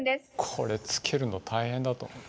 これ付けるの大変だと思う。